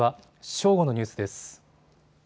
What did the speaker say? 正午のニュースです。